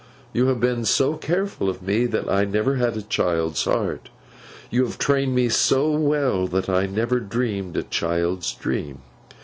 You have been so careful of me, that I never had a child's heart. You have trained me so well, that I never dreamed a child's dream.